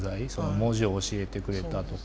文字を教えてくれたとか。